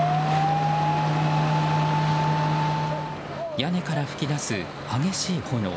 屋根から噴き出す激しい炎。